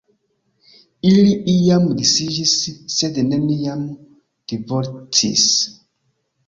Ili iam disiĝis, sed neniam divorcis.